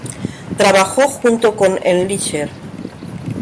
Trabajó junto con Endlicher.